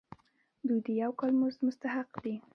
دوی د یو کال مزد مستحق دي.